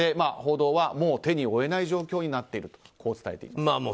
報道はもう手に負えない状況になっていると伝えています。